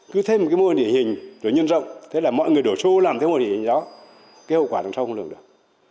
cứ thêm một cái mô hình địa hình tư duy nhân rộng thế là mọi người đổ số làm theo mô hình địa hình đó cái hậu quả đằng sau không được được